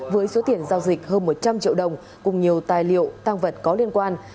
với số tiền giao dịch hơn một trăm linh triệu đồng cùng nhiều tài liệu tăng vật có liên quan